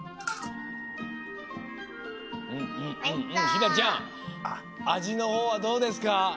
ひなちゃんあじのほうはどうですか？